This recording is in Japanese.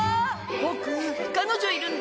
僕彼女いるんで。